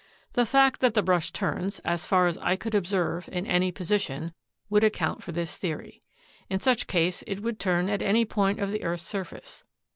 The fact that the brush turns, as far as I could observe, in any position, would account for this theory. In such case it would turn at any point of the earth's surface.